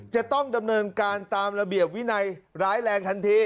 จะต้องดำเนินการตามระเบียบวินัยร้ายแรงทันที